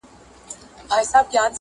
واده، کوژده، کاروبار، ميلې